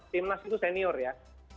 timnas itu senior ya